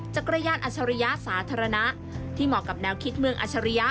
จักรยานอัชริยะสาธารณะที่เหมาะกับแนวคิดเมืองอัชริยะ